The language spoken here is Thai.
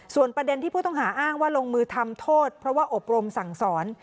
ส่วนประเด็นที่ผู้ต้องหาอ้างว่าลงมือทำโทษเพราะว่าอบรมสั่งสอน